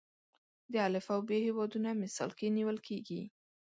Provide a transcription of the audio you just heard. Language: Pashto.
د الف او ب هیوادونه مثال کې نیول کېږي.